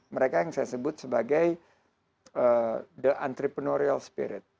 mereka yang saya sebut sebagai the entrepreneurial spirit